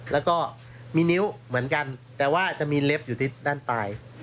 แล้วก็มีนิ้วเหมือนกันแต่ว่าจะมีเล็บอยู่ที่ด้านปลาย